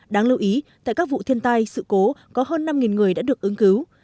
đáng lưu ý tại các vụ thiên tai sự cố có hơn năm người đã được ứng cứu